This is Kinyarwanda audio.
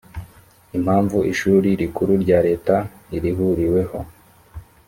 impamvu ishuri rikuru rya leta irihuriweho